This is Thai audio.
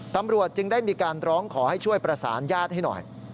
ตำรวจจึงได้มีการร้องขอให้ช่วยประสานญาติให้หน่อย